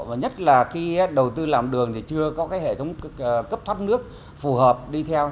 và nhất là khi đầu tư làm đường thì chưa có cái hệ thống cấp thoát nước phù hợp đi theo